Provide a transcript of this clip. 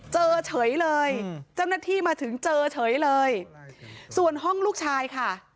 เจอเฉยเลยเจ้าหน้าที่มาถึงเจอเฉยเลยส่วนห้องลูกชายค่ะ